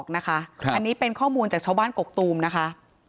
แน่ครับ๑๐๐น่ะ